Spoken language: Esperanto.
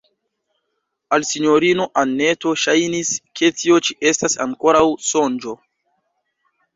Al sinjorino Anneto ŝajnis, ke tio ĉi estas ankoraŭ sonĝo.